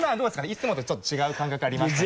いつもとちょっと違う感覚ありましたかね。